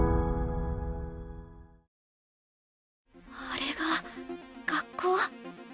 あれが学校。